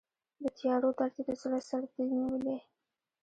د تیارو درد یې د زړه سردې نیولی